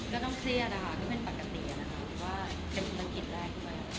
ก็ต้องเครียดนะคะก็เป็นปกติหรือเป็นบังกิจแรก